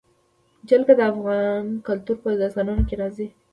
جلګه د افغان کلتور په داستانونو کې راځي.